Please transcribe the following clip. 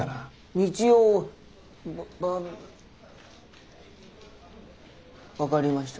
日曜バ分かりました。